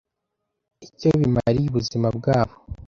icyo bimariye ubuzima bwabo,